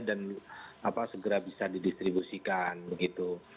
dan segera bisa didistribusikan begitu